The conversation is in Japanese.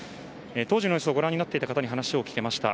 当時の様子をご覧になっていた方に話を聞きました。